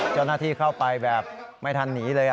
เจ้าหน้าที่เข้าไปแบบไม่ทันหนีเลย